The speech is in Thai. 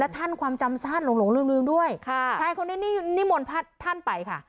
ท่านความจำซาดหลงลืมด้วยค่ะชายคนนี้นี่นิมนต์ท่านไปค่ะ